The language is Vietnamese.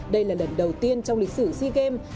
đây là lần đầu tiên trong lịch sử sea games